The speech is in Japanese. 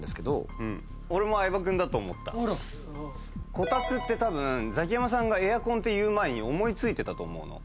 こたつってたぶんザキヤマさんがエアコンって言う前に思い付いてたと思うの。